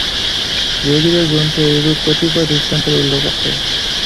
যোগীদের গ্রন্থে এইরূপ কতিপয় দৃষ্টান্তের উল্লেখ আছে।